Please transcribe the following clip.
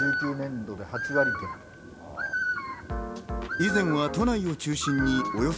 以前は都内を中心におよそ